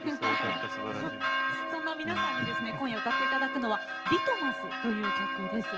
そんな皆さんに歌っていただくのは「ＬＩＴＭＵＳ」という曲です。